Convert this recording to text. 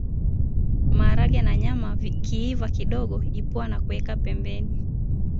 Maharage na nyama vikiiva kidogo ipua na kuweka pembeni